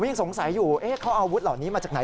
ยังสงสัยอยู่เขาอาวุธเหล่านี้มาจากไหน